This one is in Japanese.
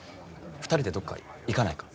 ２人でどっか行かないか？